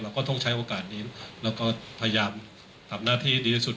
ก็ต้องใช้โอกาสนี้แล้วก็พยายามทำหน้าที่ดีที่สุด